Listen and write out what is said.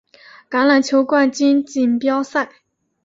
橄榄球冠军锦标赛。